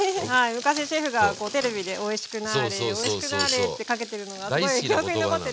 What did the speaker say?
昔シェフがテレビで「おいしくなーれおいしくなーれ」ってかけてるのがすごい記憶に残ってて。